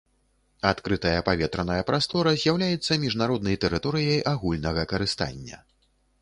Адкрытая паветраная прастора з'яўляецца міжнароднай тэрыторыяй агульнага карыстання.